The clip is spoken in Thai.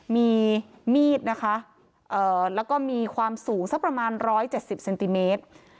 มีมีดนะคะเอ่อแล้วก็มีความสูงสักประมาณร้อยเจ็ดสิบเซนติเมตร